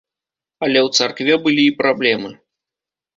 Але ў царкве былі і праблемы.